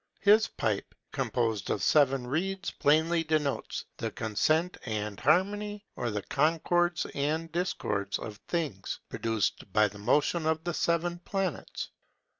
His pipe, composed of seven reeds, plainly denotes the consent and harmony, or the concords and discords of things, produced by the motion of the seven planets.